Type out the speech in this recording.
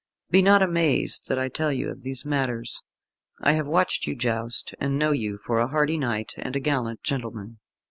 Be not amazed that I tell you of these matters. I have watched you joust, and know you for a hardy knight and a gallant gentleman.